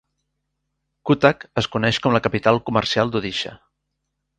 Cuttack es coneix com la capital comercial d'Odisha.